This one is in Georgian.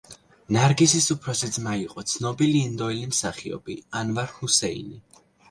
ნარგიზის უფროსი ძმა იყო ცნობილი ინდოელი მსახიობი ანვარ ჰუსეინი.